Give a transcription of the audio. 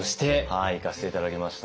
はい行かせて頂きました。